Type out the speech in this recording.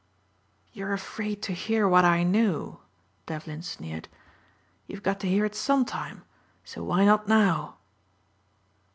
"You're afraid to hear what I know," Devlin sneered. "You've got to hear it sometime, so why not now?"